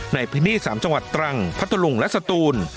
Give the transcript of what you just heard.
ในพิษภาพ๓จังหวัดตรังพัทธลุงและศตูล